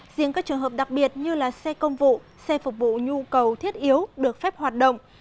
riêng các trường hợp đặc biệt như xe công vụ xe phục vụ nhu cầu thiết yếu được phép hoạt động